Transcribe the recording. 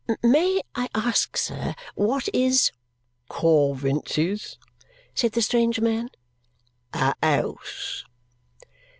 "May I ask, sir, what is " "Coavinses?" said the strange man. "A 'ouse."